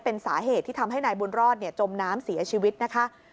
เป็นสาเหตุที่ทำให้นายบุญรอดจมน้ำเสียชีวิตนะคะ